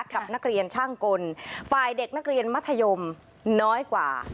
กับนักเรียนช่างกลฝ่ายเด็กนักเรียนมัธยมน้อยกว่า